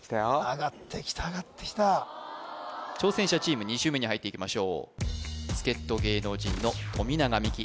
上がってきた上がってきた挑戦者チーム２周目に入っていきましょう助っ人芸能人の富永美樹